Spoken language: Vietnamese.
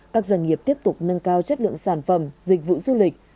các doanh nghiệp tiếp tục nâng cao chất lượng sản phẩm dịch vụ du lịch